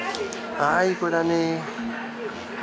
あいい子だね。